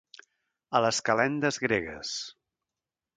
A les calendes gregues.